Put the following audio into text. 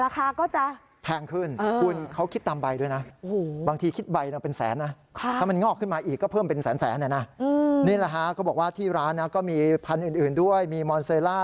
ก็มีพันธุ์อื่นด้วยมีมอนเซลล่า